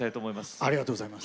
ありがとうございます。